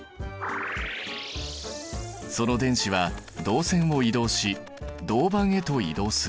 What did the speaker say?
その電子は導線を移動し銅板へと移動する。